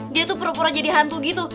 dia tuh pura pura jadi hantu gitu